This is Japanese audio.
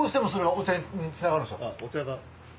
お茶が。